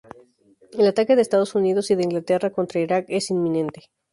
El ataque de Estados Unidos y de Inglaterra contra Irak es inminente.